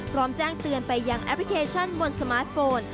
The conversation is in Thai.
พร้อมแจ้งเตือนไปยังแอปพลิเคชันบนสมาร์ทโฟน